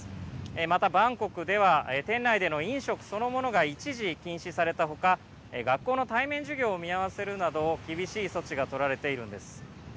また、バンコクでは店内での飲食そのものが一時、禁止されたほか学校の対面授業を見合わせるなど厳しい措置がとられているんです。